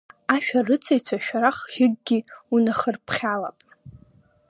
Ашәарыцаҩцәа шәарах жьыкгьы унахырԥхьалап.